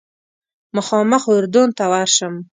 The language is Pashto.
مخامخ اردن ته ورشم.